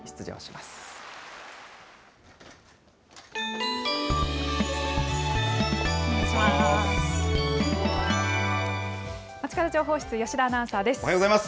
まちかど情報室、吉田アナウンサーです。